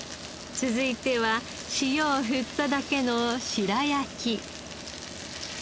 続いては塩を振っただけの白焼き。